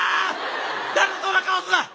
だるそうな顔すな！